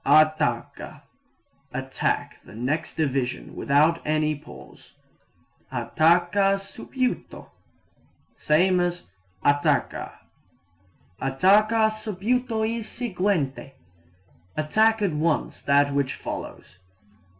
Attacca attack the next division without any pause. Attacca subito same as attacca. Attacca subito il seguente attack at once that which follows.